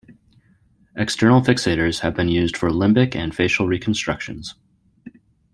External fixators have been used for limbic and facial reconstructions.